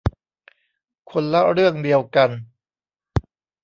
คนละเรื่องเดียวกัน